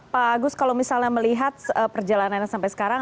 pak agus kalau misalnya melihat perjalanannya sampai sekarang